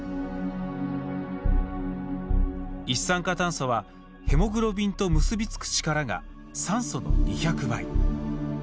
一酸化炭素は、ヘモグロビンと結び付く力が酸素の２００倍。